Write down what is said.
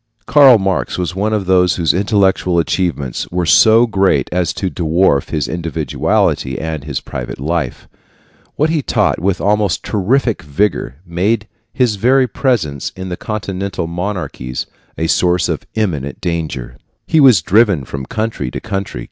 Karl Marx was one of those whose intellectual achievements were so great as to dwarf his individuality and his private life. What he taught with almost terrific vigor made his very presence in the Continental monarchies a source of eminent danger. He was driven from country to country.